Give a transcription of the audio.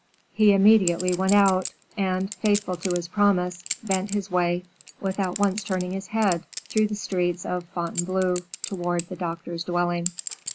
He immediately went out, and, faithful to his promise, bent his way, without once turning his head, through the streets of Fontainebleau, towards the doctor's dwelling.